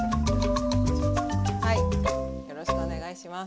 よろしくお願いします。